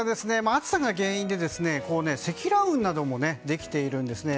暑さが原因で積乱雲などもできているんですね。